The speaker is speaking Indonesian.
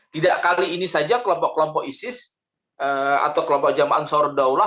tidak kali ini saja kelompok kelompok isis atau kelompok jamaah ansar daulah